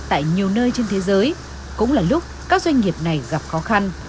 tại nhiều nơi trên thế giới cũng là lúc các doanh nghiệp này gặp khó khăn